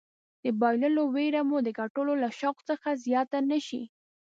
د بایللو ویره مو د ګټلو له شوق څخه زیاته نه شي.